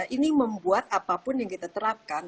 ini membuat apapun yang kita terapkan